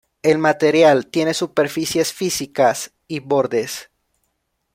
El material tiene superficies físicas y bordes.